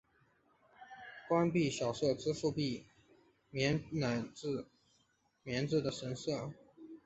官币小社支付币帛乃至币帛料的神社。